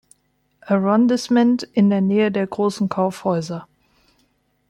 Arrondissement, in der Nähe der großen Kaufhäuser.